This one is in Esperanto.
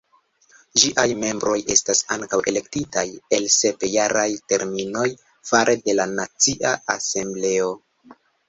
Ĝiaj membroj estas ankaŭ elektitaj al sep-jaraj terminoj fare de la Nacia Asembleo.